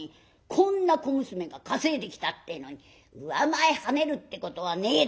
こんな小娘が稼いできたってえのに上前はねるってことはねえだろ」。